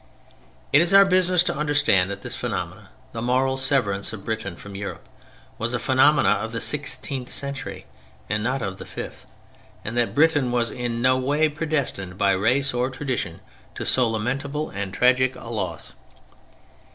It is our business to understand that this phenomenon, the moral severance of Britain from Europe, was a phenomenon of the sixteenth century and not of the fifth, and that Britain was in no way predestined by race or tradition to so lamentable and tragic a loss.